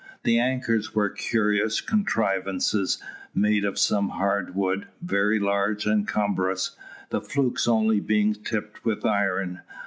The anchors were curious contrivances, made of some hard wood, very large and cumbrous, the flukes only being tipped with iron.